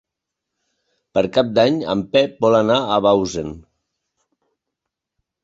Per Cap d'Any en Pep vol anar a Bausen.